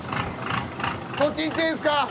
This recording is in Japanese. そっち行っていいですか？